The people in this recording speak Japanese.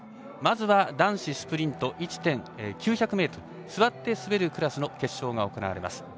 まずは男子スプリント９００ｍ座って滑るクラスの決勝が行われます。